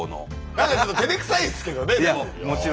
何かちょっとてれくさいですけどねでも。